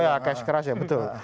oh ya cash crush ya betul